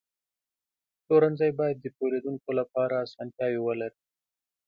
پلورنځی باید د پیرودونکو لپاره اسانتیاوې ولري.